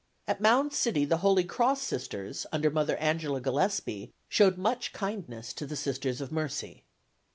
At Mound City the Holy Cross Sisters, under Mother Angela Gillespie, showed much kindness to the Sisters of Mercy.